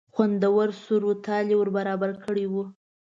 خوندور سور و تال یې ور برابر کړی و.